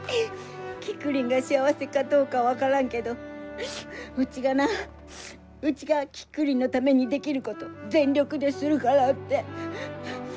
キクリンが幸せかどうか分からんけどうちがなうちがキクリンのためにできること全力でするからって！